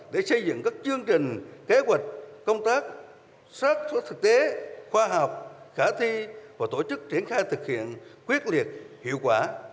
để xây dựng các chương trình kế hoạch công tác sát xuất thực tế khoa học khả thi và tổ chức triển khai thực hiện quyết liệt hiệu quả